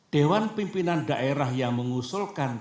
dewan pimpinan daerah yang mengusulkan